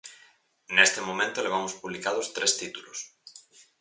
Neste momento levamos publicados tres títulos.